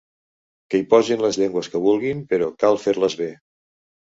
Que hi posin les llengües que vulguin però cal fer-les bé!